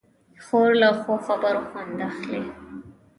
خور له ښو خبرو خوند اخلي.